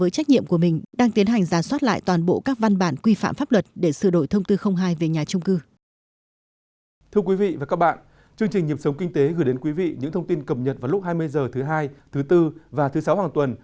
thưa quý vị và các bạn chương trình nhịp sống kinh tế gửi đến quý vị những thông tin cập nhật vào lúc hai mươi h thứ hai thứ bốn và thứ sáu hàng tuần